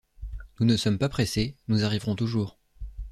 Nous ne sommes pas pressés, nous arriverons toujours...